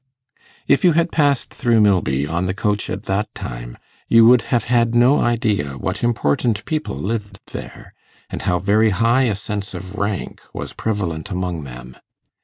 If you had passed through Milby on the coach at that time, you would have had no idea what important people lived there, and how very high a sense of rank was prevalent among them.